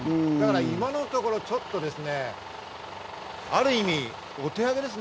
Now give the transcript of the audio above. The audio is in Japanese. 今のところ、ちょっとある意味、お手上げですね。